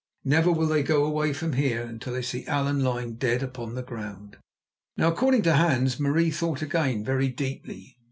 Never will they go away from here until they see Allan lying dead upon the ground." Now, according to Hans, Marie thought again very deeply.